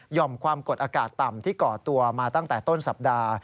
่อมความกดอากาศต่ำที่ก่อตัวมาตั้งแต่ต้นสัปดาห์